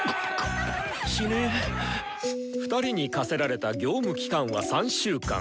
２人に課せられた業務期間は３週間。